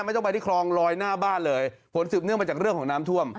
ไม่ต้องไปที่คลองลอยหน้าบ้านเลยผลสืบเนื่องมาจากเรื่องของน้ำท่วม